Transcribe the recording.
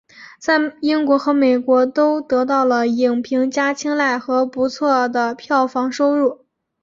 在英国和美国都得到了影评家青睐和不错的票房收入。